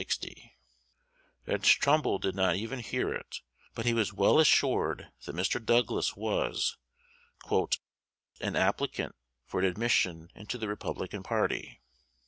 Judge Trumbull did not even hear it, but he was well assured that Mr. Douglas was "an applicant for admission into the Republican party."